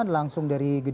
langsung dari gedung merah